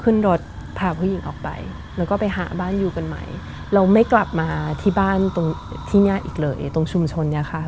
ขึ้นรถพาผู้หญิงออกไปแล้วก็ไปหาบ้านอยู่กันใหม่เราไม่กลับมาที่บ้านตรงที่เนี้ยอีกเลยตรงชุมชนเนี้ยค่ะ